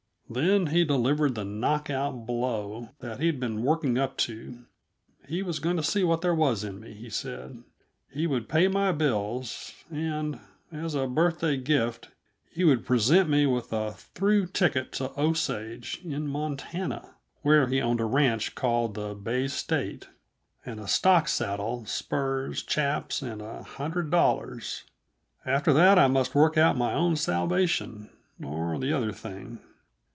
Then he delivered the knockout blow that he'd been working up to. He was going to see what there was in me, he said. He would pay my bills, and, as a birthday gift, he would present me with a through ticket to Osage, in Montana where he owned a ranch called the Bay State and a stock saddle, spurs, chaps, and a hundred dollars. After that I must work out my own salvation or the other thing.